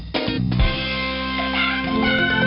สวัสดีค่ะโหคัน